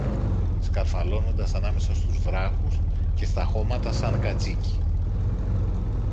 σκαρφαλώνοντας ανάμεσα στους βράχους και στα χώματα σαν κατσίκι.